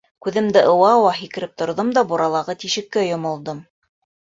Күҙемде ыуа-ыуа һикереп торҙом да буралағы тишеккә йомолдом.